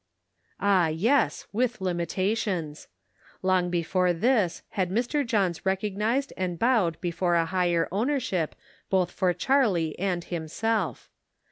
Ah, yes, with limitations. Long before this had Mr. Johns recognized and bowed before a higher ownership both for Charlie and himself.